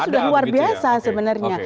sudah luar biasa sebenarnya